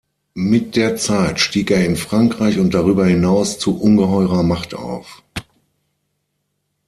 Mit der Zeit stieg er in Frankreich und darüber hinaus zu ungeheurer Macht auf.